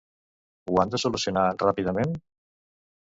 Ho han de solucionar ràpidament?